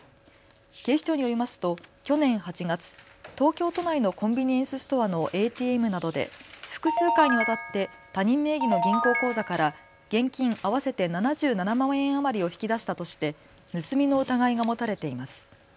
警視庁によりますと去年８月、東京都内のコンビニエンスストアのＡＴＭなどで複数回にわたって他人名義の銀行口座から現金合わせて７７万円余りを引き出したとして盗みの疑いが持たれています。